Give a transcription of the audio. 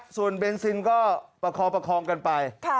ส่วนเบนซินก็ประคองประคองกันไป